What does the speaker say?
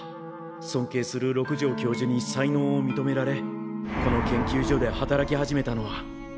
尊敬する六条教授に才能を認められこの研究所で働き始めたのは。